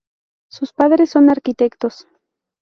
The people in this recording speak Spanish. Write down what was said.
Sus padres son arquitectos.